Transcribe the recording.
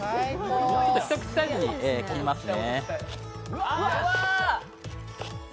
一口サイズに切りますね。